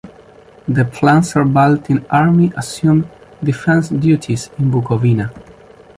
The " Pflanzer-Baltin" Army assumed defense duties in Bukovina.